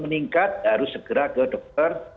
meningkat harus segera ke dokter